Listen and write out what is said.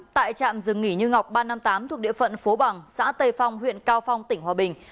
tại trạm rừng nghỉ như ngọc ba trăm năm mươi tám thuộc địa phận phố bằng xã tây phong huyện cao phong tỉnh hòa bình